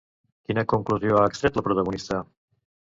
Quina conclusió ha extret la protagonista?